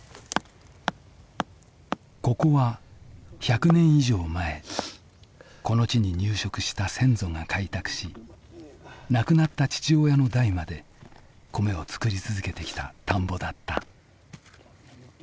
ここは１００年以上前この地に入植した先祖が開拓し亡くなった父親の代まで米を作り続けてきた田んぼだった。